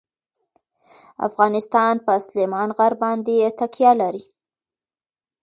افغانستان په سلیمان غر باندې تکیه لري.